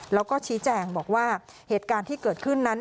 แล้วก็ชี้แจงบอกว่าเหตุการณ์ที่เกิดขึ้นนั้น